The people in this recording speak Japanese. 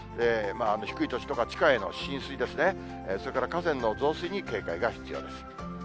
低い土地とか地下への浸水ですね、それから河川の増水に警戒が必要です。